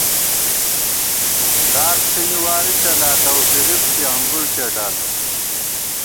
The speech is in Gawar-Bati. دار څِھنی واری چَلاتہ اؤ فریب ݪی انگُڑ څېٹاتہ